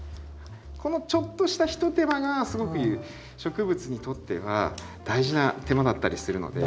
このちょっとしたひと手間がすごく植物にとっては大事な手間だったりするので。